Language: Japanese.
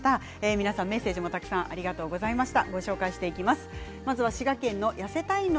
皆さん、メッセージもたくさんありがとうございました。